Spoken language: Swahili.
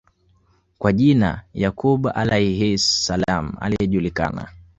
kwa jina Ya quub Alayhis Salaam aliyejulikana